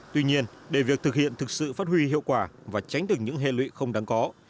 tuy nhiên để việc thực hiện thực sự phát huy hiệu quả và tránh được những hệ lụy không đáng có